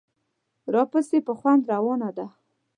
راپسې په خوند روانه ده.